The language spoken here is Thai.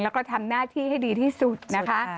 แล้วก็ทำหน้าที่ให้ดีที่สุดนะคะ